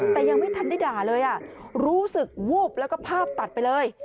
แต่ยังไม่ทันได้ด่าเลยรู้สึกวูบแล้วก็ภาพตัดไปเลย